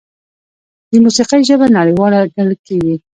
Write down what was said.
د موسیقۍ ژبه نړیواله ګڼل کېږي.